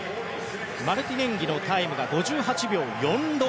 マルティネンギのタイムが５８秒４６。